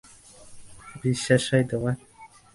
বিশ্বাস হয় তোমার?